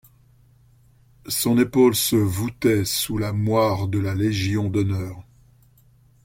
Son épaule se voûtait sous la moire de la Légion d'honneur.